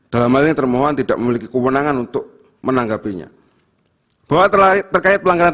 dalam hal ini termohon tidak memiliki kewenangan untuk menanggapinya